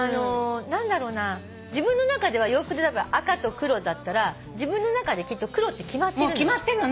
自分の中では洋服赤と黒だったら自分の中できっと黒って決まってるのよ。